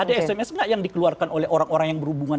ada sms nggak yang dikeluarkan oleh orang orang yang berhubungan